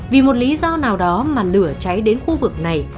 vì một lý do nào đó mà lửa cháy đến khu vực này